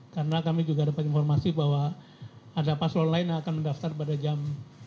karena kami juga dapat informasi bahwa ada pasul online yang akan mendaftar pada jam sebelas